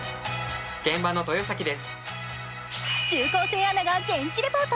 現場の豊崎です。